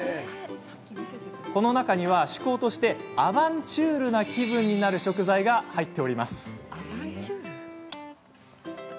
この中には、趣向としてアバンチュールな気分になる食材が入っています。